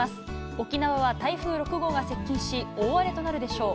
沖縄は台風６号が接近し、大荒れとなるでしょう。